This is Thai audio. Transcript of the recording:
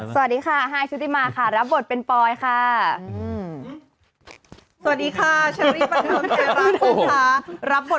สวัสดีค่ะไฮชุดิมาค่ะรับบทเป็นปอยค่ะ